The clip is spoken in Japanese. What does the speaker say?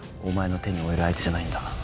お前の手に負える相手じゃないんだ。